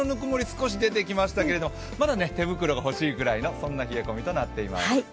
少し出てきましたけれども、まだ手袋が欲しいくらいの冷え込みとなっています。